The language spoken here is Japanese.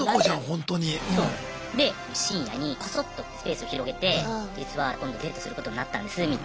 で深夜にコソッとスペース広げて実は今度デートすることになったんですみたいな。